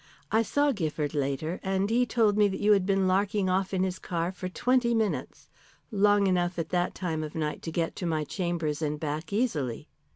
I saw Gifford later, and he told me that you had been larking off in his car for twenty minutes long enough at that time of night to get to my chambers and back easily.